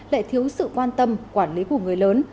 lại thiếu sự quan tâm quản lý của người lớn